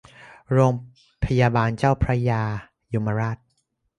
โรงพยาบาลเจ้าพระยายมราช